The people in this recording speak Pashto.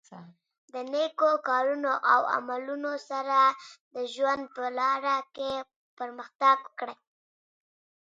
د نېکو کارونو او عملونو سره د ژوند په لاره کې پرمختګ وکړئ.